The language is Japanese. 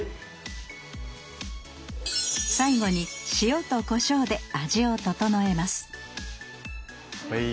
最後に塩とこしょうで味をととのえますはい。